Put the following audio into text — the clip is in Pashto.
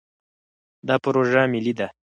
دا پروژه ملي ده.